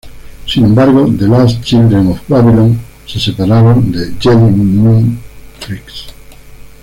Sin embargo, The Lost Children of Babylon se separaron de Jedi Mind Tricks.